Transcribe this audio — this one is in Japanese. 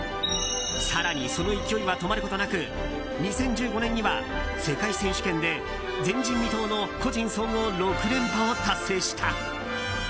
更にその勢いは止まることなく２０１５年には、世界選手権で前人未到の個人総合６連覇を達成した。